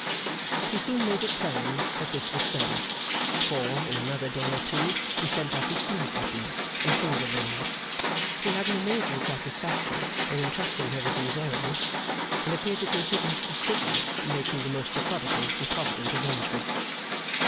He soon made it plain that this was so; for, in another day or two he sent off his sleeve buttons and finger rings. He had an amazing satisfaction in entrusting her with these errands, and appeared to consider it equivalent to making the most methodical and provident arrangements.